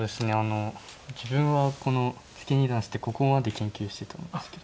自分はこのツケ二段してここまで研究してたんですけど。